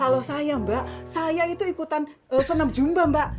kalau saya mbak saya itu ikutan senam jumba mbak